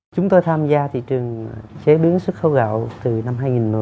chúng tôi tham gia thị trường chế biến xuất khẩu gạo từ năm hai nghìn một mươi